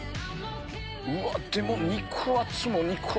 うわっ、でも肉厚も肉厚。